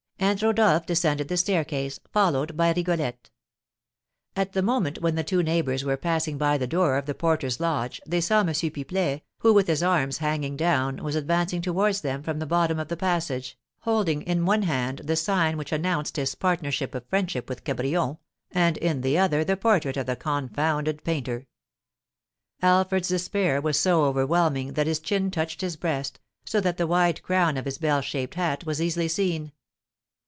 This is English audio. And Rodolph descended the staircase, followed by Rigolette. At the moment when the two neighbours were passing by the door of the porter's lodge they saw M. Pipelet, who, with his arms hanging down, was advancing towards them from the bottom of the passage, holding in one hand the sign which announced his Partnership of Friendship with Cabrion, and in the other the portrait of the confounded painter. Alfred's despair was so overwhelming that his chin touched his breast, so that the wide crown of his bell shaped hat was easily seen.